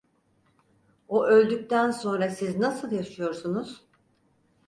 O öldükten sonra siz nasıl yaşıyorsunuz?